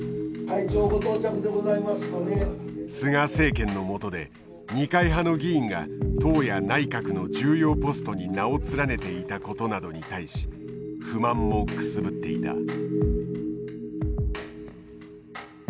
菅政権の下で二階派の議員が党や内閣の重要ポストに名を連ねていたことなどに対し不満もくすぶっていた。